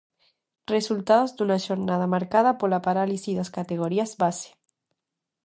Resultados dunha xornada marcada pola parálise das categorías base.